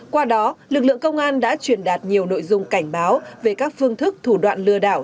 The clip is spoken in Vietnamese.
qua đó lực lượng công an đã truyền đạt nhiều nội dung cảnh báo về các phương thức thủ đoạn lừa đảo